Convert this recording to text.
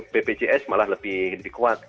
bpjs malah lebih kuat